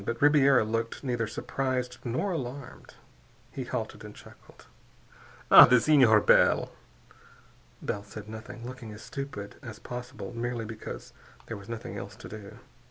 But Ribiera looked neither surprised nor alarmed. He halted and chuckled. "Ah, the Senhor Bell!" Bell said nothing, looking as stupid as possible, merely because there was nothing else to do.